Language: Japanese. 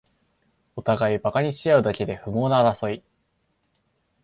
おたがいバカにしあうだけで不毛な争い